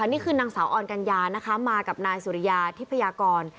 นี่คือนางสาวออนกัญญานะคะมากับนายสุริยาทิพยากร